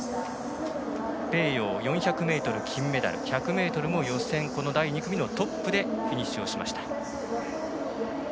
ペーヨー、４００ｍ、金メダル１００ｍも予選第２組トップでフィニッシュしました。